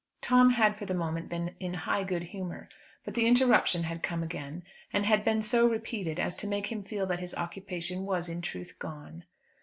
Tom had for the moment been in high good humour; but the interruption had come again, and had been so repeated as to make him feel that his occupation was in truth gone.